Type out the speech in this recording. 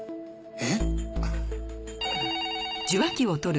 えっ。